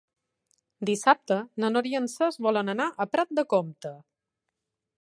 Dissabte na Nora i en Cesc volen anar a Prat de Comte.